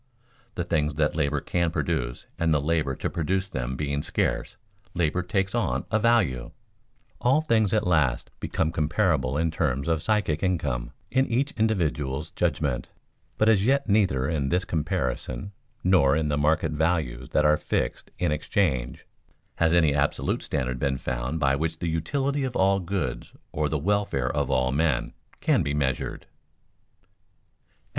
The things that labor can produce and the labor to produce them being scarce, labor takes on a value. All things at last become comparable in terms of psychic income in each individual's judgment, but as yet neither in this comparison nor in the market values that are fixed in exchange, has any absolute standard been found by which the utility of all goods or the welfare of all men can be measured.